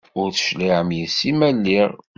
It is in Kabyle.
Ur teεlim yess-i ma lliɣ.